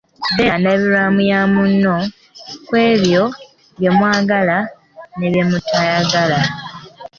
Beera ndabirwamu ya munno ku ebyo bye mwagala ne byemutayagala.